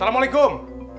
aku mau tidur